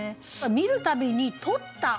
「見る度に撮った」。